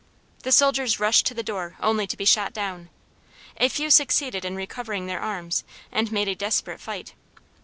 The soldiers rushed to the door only to be shot down. A few succeeded in recovering their arms, and made a desperate fight.